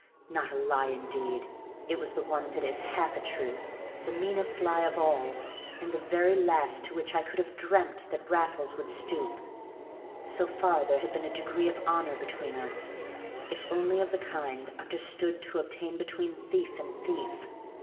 Not a lie, indeed! It was the one that is half a truth, the meanest lie of all, and the very last to which I could have dreamt that Raffles would stoop. So far there had been a degree of honor between us, if only of the kind understood to obtain between thief and thief.